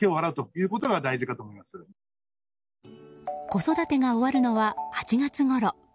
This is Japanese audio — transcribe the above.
子育てが終わるのは８月ごろ。